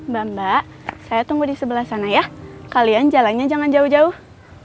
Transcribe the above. bamba saya tunggu di sebelah sana ya kalian jalannya jangan jauh jauh ya